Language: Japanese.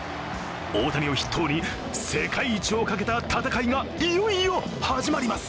大谷を筆頭に、世界一をかけた戦いがいよいよ始まります。